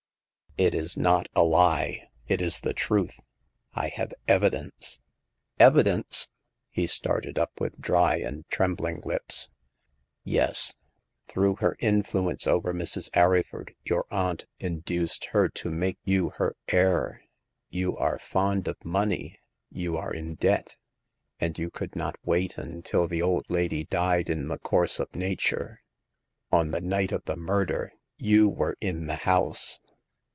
" It is not a lie — it is the truth ! I have evi dence !"" Evidence !" He started up with dry and trembling lips. " Yes. Through her influence over Mrs. Arry ford, your aunt induced her to make you her heir. You are fond of money ; you are in debt, and you could not wait until the old lady died in the course of nature. On the night of the murder; you were in the house.'